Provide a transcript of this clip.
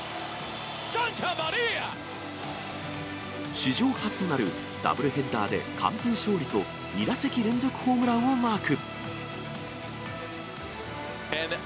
史上初となるダブルヘッダーで完封勝利と２打席連続ホームランをマーク。